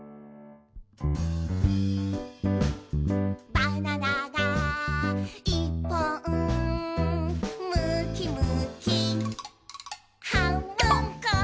「バナナがいっぽん」「むきむきはんぶんこ！」